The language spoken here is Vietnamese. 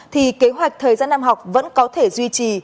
thì kế hoạch thời gian năm học vẫn có thể duy trì